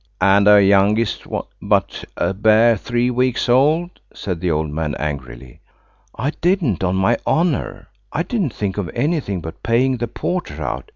"And her youngest but a bare three weeks old," said the old man angrily. "I didn't, on my honour I didn't think of anything but paying the porter out."